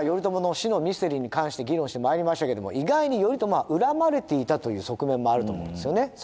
頼朝の死のミステリーに関して議論してまいりましたけれども意外に頼朝は恨まれていたという側面もあると思うんですよね。